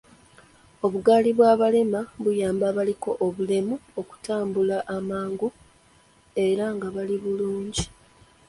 Obugaali bw'abalema buyamba abaliko obulemu okutambula amangu era nga bali bulungi.